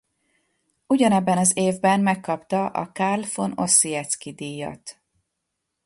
Ugyanebben az évben megkapta a Carl von Ossietzky-díjat.